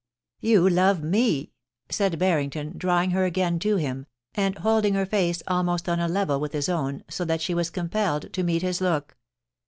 * You love mty said Barrington, drawing her again to him, and holding her face almost on a level with his own, so that she was compelled to meet his look.